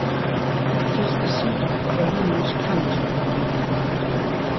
It is the seat of Colimes Canton.